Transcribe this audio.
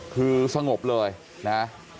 คือสงบเลยนะ